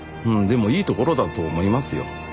でもいいところだと思いますよ。